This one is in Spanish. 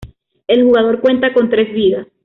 El jugador cuenta con tres vidas.